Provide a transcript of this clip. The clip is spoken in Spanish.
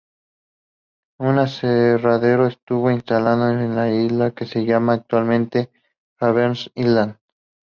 Un aserradero estuvo instalado en la isla que se llama actualmente Governors Island.